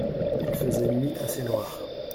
Il faisait nuit assez noire.